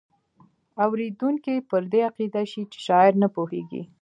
اوریدونکی پر دې عقیده شي چې شاعر نه پوهیږي.